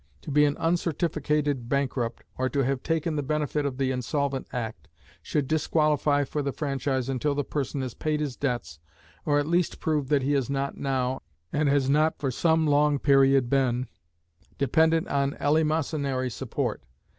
To be an uncertificated bankrupt, or to have taken the benefit of the Insolvent Act, should disqualify for the franchise until the person has paid his debts, or at least proved that he is not now, and has not for some long period been, dependent on eleemosynary support.